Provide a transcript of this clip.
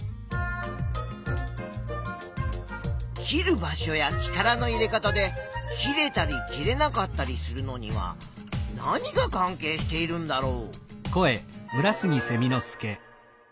切る場所や力の入れ方で切れたり切れなかったりするのには何が関係しているんだろう？